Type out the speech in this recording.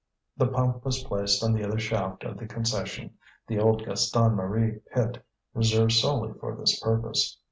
The pump was placed on the other shaft of the concession, the old Gaston Marie pit, reserved solely for this purpose.